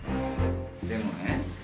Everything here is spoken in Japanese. でもね